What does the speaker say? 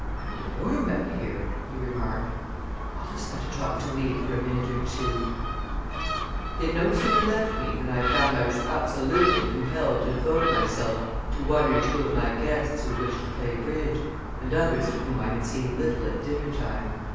"Kind of warm out here!" he remarked. "I'll just have to talk to Eve for a minute or two." He had no sooner left me than I found I was absolutely compelled to devote myself to one or two of my guests who wished to play bridge, and others of whom I had seen little at dinner time.